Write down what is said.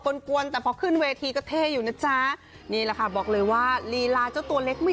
กวนแต่พอขึ้นเวทีก็เท่อยู่นะจ๊ะนี่แหละค่ะบอกเลยว่าลีลาเจ้าตัวเล็กไม่